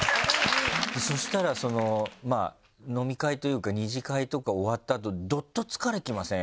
そしたら飲み会というか二次会とか終わった後どっと疲れきません？